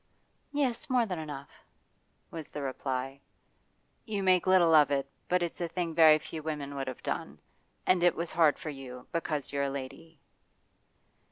'Yes, more than enough,' was the reply. 'You make little of it, but it's a thing very few women would have done. And it was hard for you, because you're a lady.